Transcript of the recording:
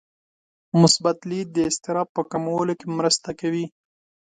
مثبت لید د اضطراب په کمولو کې مرسته کوي.